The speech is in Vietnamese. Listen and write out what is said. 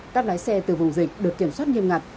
các lái xe từ vùng dịch được kiểm soát nghiêm ngặt